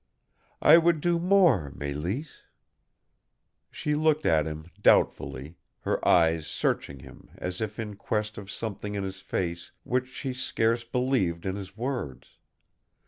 "I would do more, Mélisse." She looked at him doubtfully, her eyes searching him as if in quest of something in his face which she scarce believed in his words.